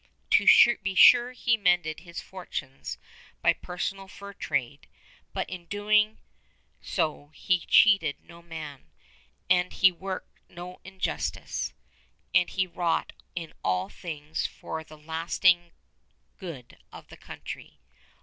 To be sure he mended his fortunes by personal fur trade, but in doing so he cheated no man; and he worked no injustice, and he wrought in all things for the lasting good of the country.